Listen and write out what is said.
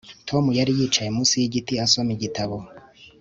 Tom yari yicaye munsi yigiti asoma igitabo